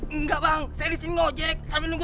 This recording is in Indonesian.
bener banget pada ngeojek bang